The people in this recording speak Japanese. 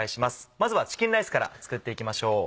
まずはチキンライスから作っていきましょう。